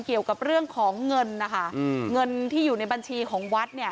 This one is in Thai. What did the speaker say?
เกี่ยวกับเรื่องของเงินนะคะอืมเงินที่อยู่ในบัญชีของวัดเนี่ย